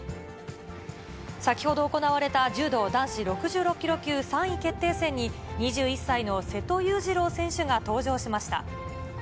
先ほど行われた柔道男子６６キロ級３位決定戦に、２１歳の瀬戸勇次郎選手が登場しました。